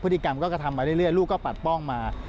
กรรมก็กระทำมาเรื่อยลูกก็ปัดป้องมา